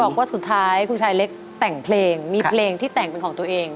บอกว่าสุดท้ายคุณชายเล็กแต่งเพลงมีเพลงที่แต่งเป็นของตัวเอง